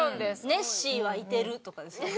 「ネッシーはいてる」とかですよね。